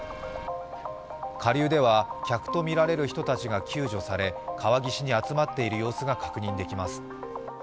下流では客とみられる人たちが救助され、川岸に集まっている様子が確認できます。